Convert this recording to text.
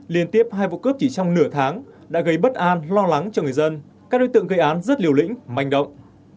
liên tiếp hai vụ cướp chỉ trong nửa tháng đã gây bất an lo lắng cho người dân các đối tượng gây án rất liều lĩnh manh động